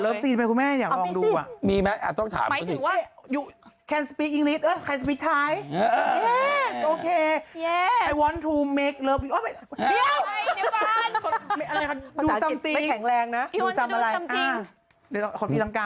ลับซีนไหมคุณแม่อยากลองดูอ่ะมีไหมอ่าต้องถามกันสิหมายถึงว่า